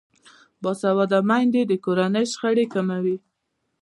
باسواده میندې د کورنۍ شخړې کموي.